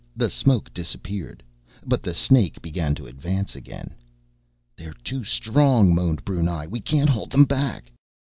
The smoke disappeared. But the snake began to advance again. "They're too strong!" moaned Brunei. "We can't hold them back."